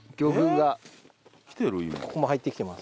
ここも入ってきてます。